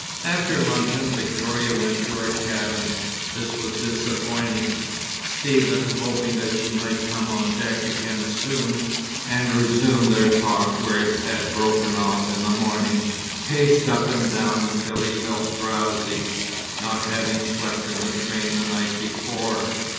After luncheon Victoria went to her cabin. This was disappointing. Stephen, hoping that she might come on deck again soon, and resume their talk where it had broken off in the morning, paced up and down until he felt drowsy, not having slept in the train the night before.